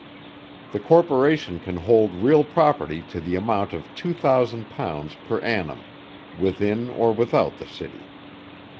The Corporation can hold real property to the amount of £2,000 per annum, within or without the City.